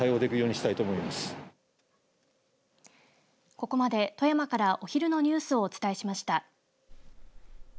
ここまで富山からお昼のニュースをお伝えしました。